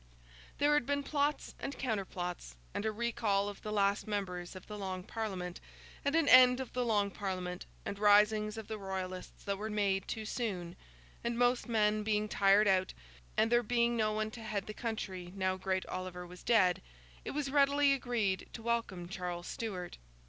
There had been plots and counterplots, and a recall of the last members of the Long Parliament, and an end of the Long Parliament, and risings of the Royalists that were made too soon; and most men being tired out, and there being no one to head the country now great Oliver was dead, it was readily agreed to welcome Charles Stuart.